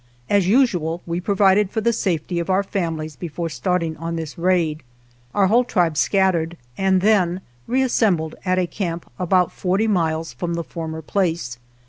As usual we provided for the safety of our families before starting on this raid. Our whole tribe scattered and then reassembled at a camp about forty miles from the former place.